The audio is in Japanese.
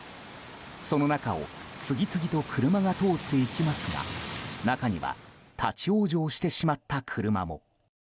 その中を次々と車が通っていきますが中には立ち往生してしまった車も。